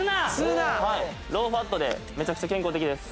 ローファットでめちゃくちゃ健康的です。